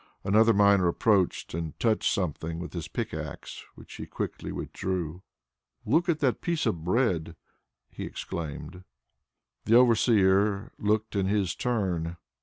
Another miner approached and touched something with his pickaxe which he quickly withdrew. "Look at that piece of bread!" he exclaimed. The overseer looked in his turn.